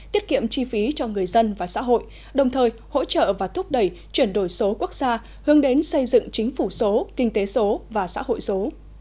tiết kiệm chi phí cho người dân và xã hội đồng thời hỗ trợ và thúc đẩy chuyển đổi số quốc gia hướng đến xây dựng chính phủ số kinh tế số và xã hội số